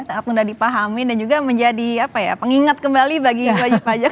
sangat mudah dipahami dan juga menjadi pengingat kembali bagi wajib pajak